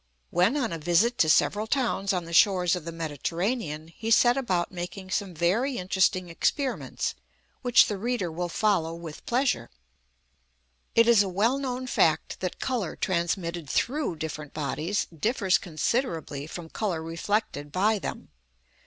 When on a visit to several towns on the shores of the Mediterranean, he set about making some very interesting experiments, which the reader will follow with pleasure. It is a well known fact that colour transmitted through different bodies differs considerably from colour reflected by them.